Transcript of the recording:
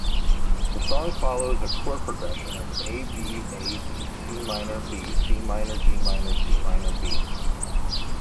The song follows a chord progression of A-B-A-B-Cm-B-Cm-Gm-Cm-B.